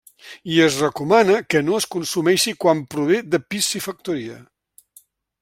I es recomana que no es consumeixi quan prové de piscifactoria.